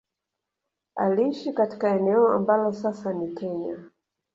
Aliishi katika eneo ambalo sasa ni Kenya